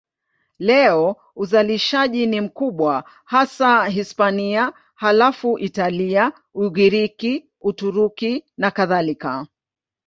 Leo uzalishaji ni mkubwa hasa Hispania, halafu Italia, Ugiriki, Uturuki nakadhalika.